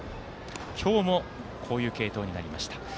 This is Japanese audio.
今日もこういう継投になりました。